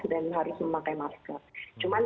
dan harus memakai masker cuman